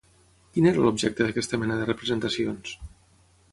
Quin era l'objecte d'aquesta mena de representacions?